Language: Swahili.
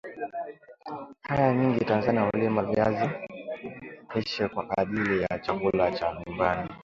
Kaya nyingi Tanzania hulima viazi lishe kwa ajili ya chakula cha nyumbani